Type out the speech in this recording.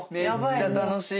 めっちゃ楽しい。